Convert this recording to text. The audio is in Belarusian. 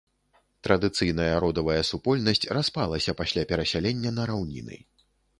Традыцыйная родавая супольнасць распалася пасля перасялення на раўніны.